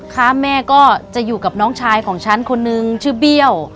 คะแม่ก็จะอยู่กับน้องชายของฉันคนนึงชื่อเบี้ยว